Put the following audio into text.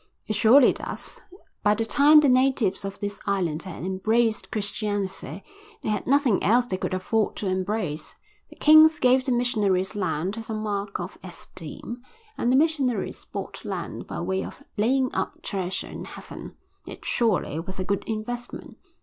"It surely does. By the time the natives of this island had embraced Christianity they had nothing else they could afford to embrace. The kings gave the missionaries land as a mark of esteem, and the missionaries bought land by way of laying up treasure in heaven. It surely was a good investment.